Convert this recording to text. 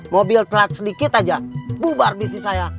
mobil terlalu sedikit aja bubar bisnis saya